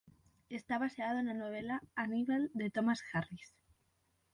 Está baseado na novela "Hannibal" de Thomas Harris.